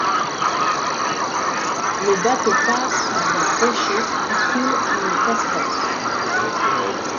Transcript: Le bateau passe sous un rocher où coule une cascade.